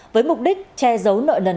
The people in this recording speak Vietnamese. với mục đích che giấu nạn nhân